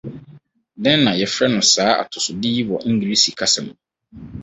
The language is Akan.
Dɛn na yɛfrɛ no saa atosode yi wɔ Engiresi kasa mu?